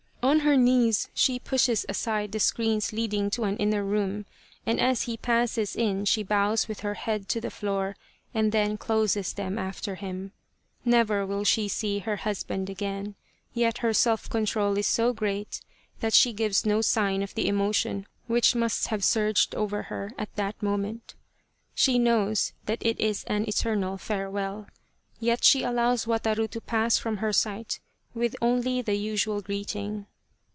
On her knees she pushes aside the screens leading to an inner room, and as he passes in she bows with her head to the floor, and then closes them after him. Never will she see her husband again, yet her self control is so great that she gives no sign of the emotion which must have surged over her at that moment. She knows that it is an eternal farewell, yet she allows Wataru to pass from her sight with only the usual greeting.